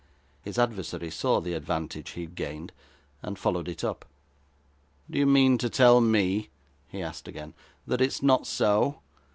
His adversary saw the advantage he had gained, and followed it up. 'Do you mean to tell me,' he asked again, 'that it is not so?